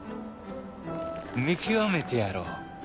見極めてやろう。